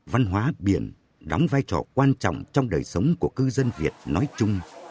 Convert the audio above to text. văn hóa biển đóng vai trò quan trọng trong đời sống của cư dân việt nói chung